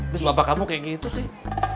terus bapak kamu kayak gitu sih